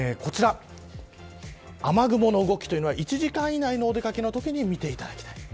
雨雲の動きというのは１時間以内のお出掛けのときに見ていただきたい。